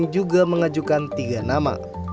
dan juga mengajukan tiga nama